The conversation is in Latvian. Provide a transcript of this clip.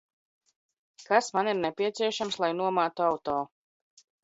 Kas man ir nepieciešams, lai nomātu auto?